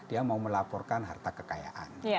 dia mau melaporkan harta kekayaan